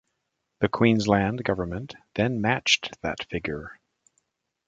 The Queensland Government then matched that figure.